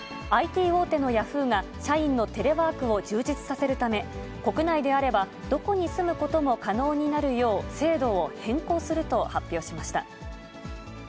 ＩＴ大手のヤフーが、社員のテレワークを充実させるため、国内であれば、どこに住むことも可能になるよう、制度を変更すると発表しました。